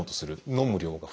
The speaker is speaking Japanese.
飲む量が増える。